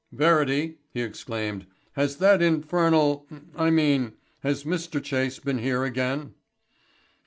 "Verity," he exclaimed, "has that infernal I mean, has Mr Chase been here again?"